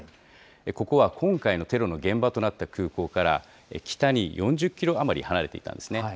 ここは今回のテロの現場となった空港から北に４０キロ余り離れていたんですね。